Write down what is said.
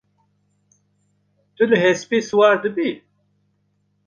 Tu li hespê siwar dibî?